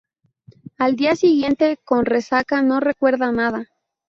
Al día siguiente, con resaca, no recuerda nada.